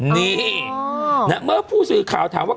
นี่เมื่อผู้สื่อข่าวถามว่า